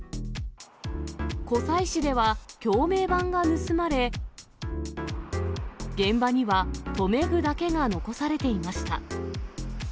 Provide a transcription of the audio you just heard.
湖西市では橋名板が盗まれ、現場には留め具だけが残されていました。